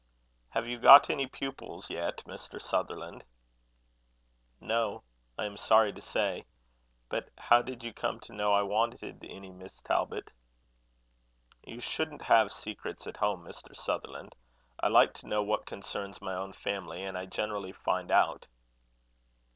"Have you got any pupils yet, Mr. Sutherland?" "No I am sorry to say. But how did you come to know I wanted any, Miss Talbot?" "You shouldn't have secrets at home, Mr. Sutherland. I like to know what concerns my own family, and I generally find out."